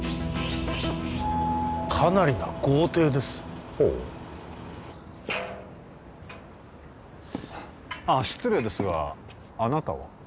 かなりな豪邸ですほうああ失礼ですがあなたは？